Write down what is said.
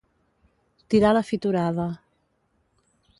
Tirar la fitorada.